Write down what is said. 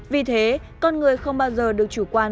vì thế con người không bao giờ được chủ quan